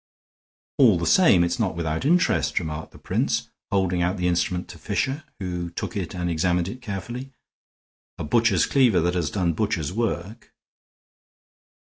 "All the same, it is not without interest," remarked the prince, holding out the instrument to Fisher, who took it and examined it carefully. "A butcher's cleaver that has done butcher's work."